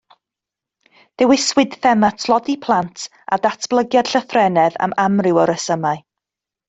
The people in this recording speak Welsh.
Dewiswyd thema tlodi plant a datblygiad llythrennedd am amryw o resymau